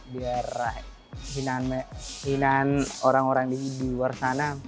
biar hinaan orang orang di luar sana